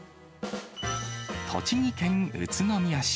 栃木県宇都宮市。